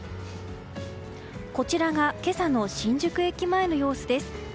こちらが今朝の新宿駅前の様子です。